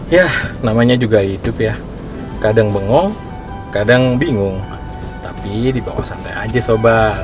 ya namanya juga hidup ya kadang bengong kadang bingung tapi di bawah santai aja sobat